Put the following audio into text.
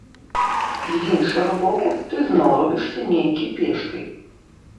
З іншага боку, ты зноў робішся нейкі пешкай.